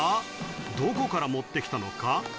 どこから持って来たのか？